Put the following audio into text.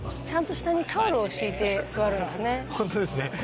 ちゃんと下にタオルを敷いて座るんですね。